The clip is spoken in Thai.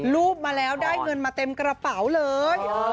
รูปมาแล้วได้เงินมาเต็มกระเป๋าเลย